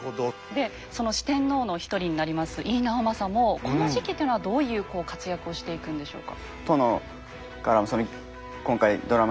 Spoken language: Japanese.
でその四天王の一人になります井伊直政もこの時期っていうのはどういう活躍をしていくんでしょうか？